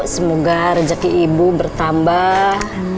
semoga rejeki ibu bertambah